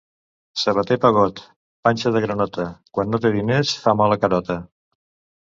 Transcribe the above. Sabater pegot, panxa de granota, quan no té diners fa mala carota.